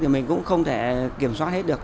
thì mình cũng không thể kiểm soát hết được